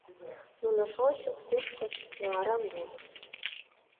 Нуно шочыт, кушкыт, но арам йомыт».